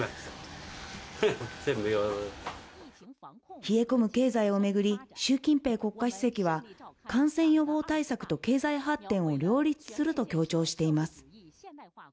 冷え込む経済を巡り、習近平国家主席は、感染予防対策と経済発展を両立すると強調しています。